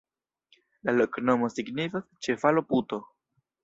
La loknomo signifas: ĉevalo-puto.